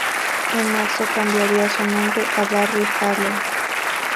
En marzo cambiaría su nombre a Barry Allen.